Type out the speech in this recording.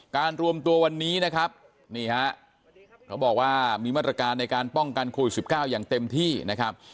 รวมตัววันนี้นะครับนี่ฮะเขาบอกว่ามีมาตรการในการป้องกันโควิด๑๙อย่างเต็มที่นะครับ